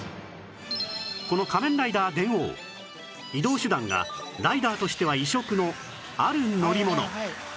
この仮面ライダー電王移動手段がライダーとしては異色のある乗り物